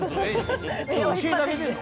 教えてあげてるの？